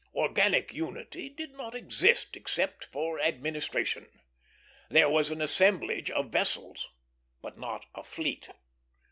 Organic unity did not exist except for administration. There was an assemblage of vessels, but not a fleet.